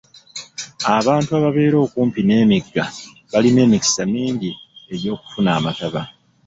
Abantu ababeera okumpi n'emigga balina emikisa mingi egy'okufuna amataba.